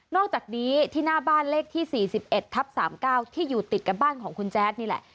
อกจากนี้ที่หน้าบ้านเลขที่๔๑ทับ๓๙ที่อยู่ติดกับบ้านของคุณแจ๊ดนี่แหละ